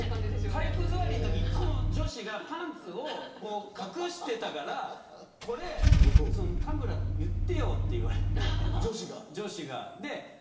体育座りのときに女子がパンツを隠していたから田村、言ってよと言われて女子が。